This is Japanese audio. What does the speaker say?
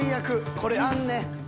これあんねん。